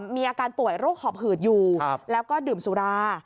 มีอาการป่วยโรคหอบหืดอยู่แล้วก็ดื่มสุรา